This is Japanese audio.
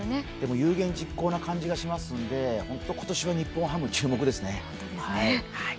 有言実行な感じがしますので本当に今年の日本ハム、注目ですね。